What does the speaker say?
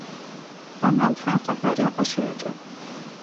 Банан хьасэхэри къыщэкӏых.